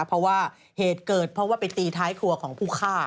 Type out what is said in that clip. เพราะว่าเหตุเกิดเพราะว่าไปตีท้ายครัวของผู้ฆ่า